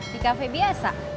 di kafe biasa